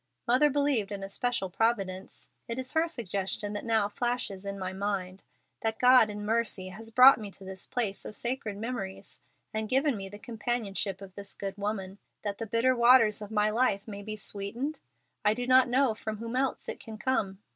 Mother believed in a special Providence. Is it her suggestion that now flashes in my mind that God in mercy has brought me to this place of sacred memories, and given me the companionship of this good woman, that the bitter waters of my life may be sweetened? I do not know from whom else it can come.